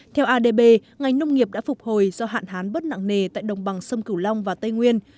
theo adb ngành nông nghiệp đã phục hồi do hạn hán bớt nặng nề tại đồng bằng sông cửu long và tây nguyên